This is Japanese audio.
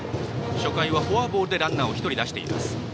初回はフォアボールでランナーを１人出しています。